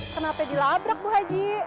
kenapa dilabrak bu aji